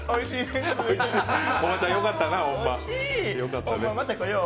おばちゃん、よかったな、ほんま。